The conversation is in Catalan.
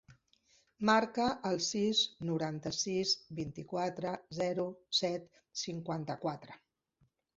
Marca el sis, noranta-sis, vint-i-quatre, zero, set, cinquanta-quatre.